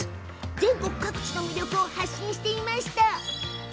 全国各地の魅力を発信していました。